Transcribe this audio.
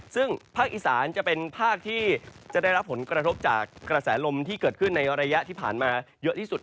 ซึ่งภาคอีสานจะเป็นภาคที่จะได้รับผลกระทบจากกระแสลมที่เกิดขึ้นในระยะที่ผ่านมาเยอะที่สุด